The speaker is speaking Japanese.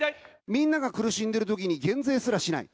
みんなが苦しんでるときに減税すらしない。